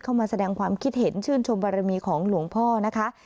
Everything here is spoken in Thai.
เข้ามาแสดงความคิดเห็นชื่นชมบารมีของหลวงพ่อนะคะ